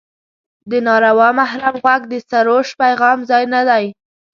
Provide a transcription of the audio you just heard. د ناروا محرم غوږ د سروش پیغام ځای نه دی.